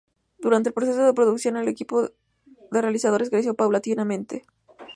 Durante el proceso de producción, el equipo de realizadores creció paulatinamente.